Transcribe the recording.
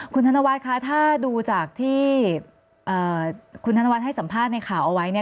คุณธนวัสค่ะถ้าดูจากที่คุณธนวัสให้สัมภาษณ์ในข่าวเอาไว้